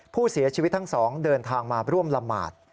ผู้เสียชีวิตทั้งสองเดินทางมาร่วมละหมาด